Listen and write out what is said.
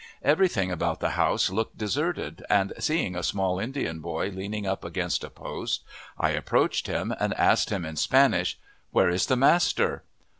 Every thing about the house looked deserted, and, seeing a small Indian boy leaning up against a post, I approached him and asked him in Spanish, "Where is the master?"